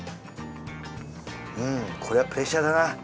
うんこれはプレッシャーだな。